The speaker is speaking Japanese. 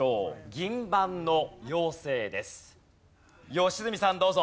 良純さんどうぞ。